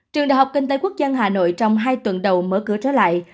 trường đại học kinh tế quốc dân hà nội trong hai tuần đầu mở cửa trở lại